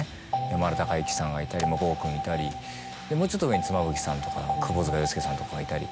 山田孝之さんがいたり剛君いたりもうちょっと上に妻夫木さんとか窪塚洋介さんとかがいたり。